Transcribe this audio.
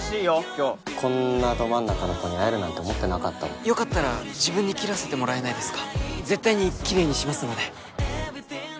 今日こんなど真ん中の子に会えるなんて思ってなかったよかったら自分に切らせてもらえないですか？